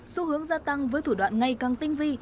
xu hướng gia tăng với thủ đoạn ngày càng tinh vi